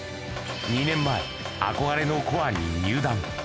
２年前、憧れの鼓和に入団。